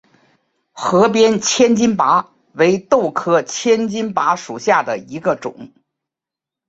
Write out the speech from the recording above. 河边千斤拔为豆科千斤拔属下的一个种。